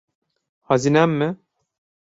Hazinem mi?